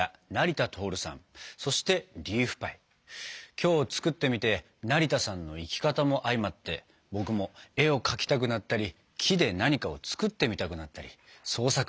今日作ってみて成田さんの生き方も相まって僕も絵を描きたくなったり木で何かを作ってみたくなったり創作意欲が湧きました。